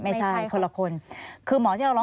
ไม่ใช่คุณหมอที่เราร้องขอ